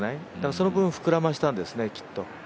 その分、膨らましたんですね、きっと。